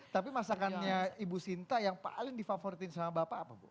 tapi masakannya ibu sinta yang paling difavoritin sama bapak apa bu